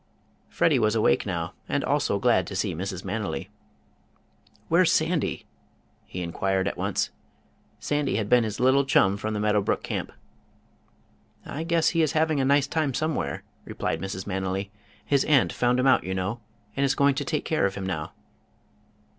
Freddie was awake now, and also glad to see Mrs. Manily. "Where's Sandy?" he inquired at once. Sandy had been his little chum from the Meadow Brook Camp. "I guess he is having a nice time somewhere," replied Mrs. Manily. "His aunt found him out, you know, and is going to take care of him now."